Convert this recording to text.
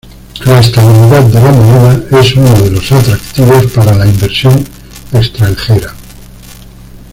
La estabilidad de la moneda es uno de los atractivos para la inversión extranjera.